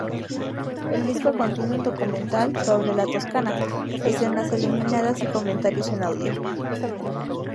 El disco contiene un documental sobre La Toscana, escenas eliminadas y comentarios en audio.